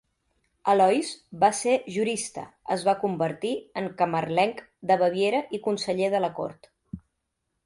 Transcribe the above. Aloys va ser jurista, es va convertir en camarlenc de Baviera i conseller de la cort.